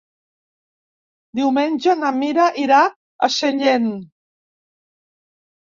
Diumenge na Mira irà a Sellent.